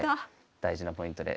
大事なポイントで。